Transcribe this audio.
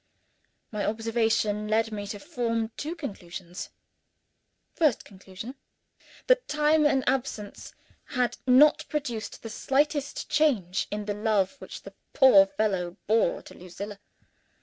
My observation led me to form two conclusions. First conclusion, that time and absence had not produced the slightest change in the love which the poor fellow bore to Lucilla.